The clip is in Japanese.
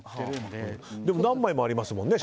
でも何枚もありますもんね